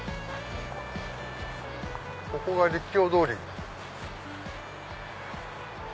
ここが立教通り。